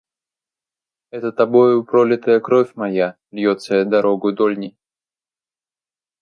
Это тобою пролитая кровь моя льется дорогою дольней.